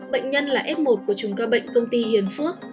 bệnh nhân là f một của chùm ca bệnh công ty hiền phước